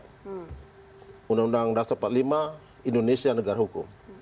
untuk kemampuan yang terakhir undang undang dasar empat puluh lima indonesia negara hukum